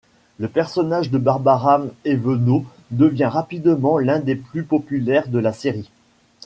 Le personnage de Barbara Évenot devient rapidement l'un des plus populaires de la série.